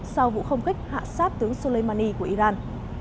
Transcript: sau vụ không khích hạ sát tướng soleimani của iran